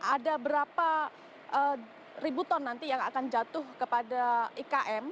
ada berapa ribu ton nanti yang akan jatuh kepada ikm